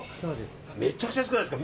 めちゃくちゃ安くないですか。